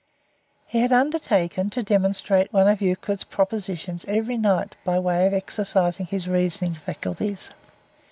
He had undertaken to demonstrate one of Euclid's propositions every night by way of exercising his reasoning faculties.